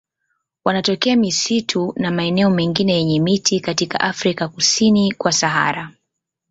Wanatokea misitu na maeneo mengine yenye miti katika Afrika kusini kwa Sahara.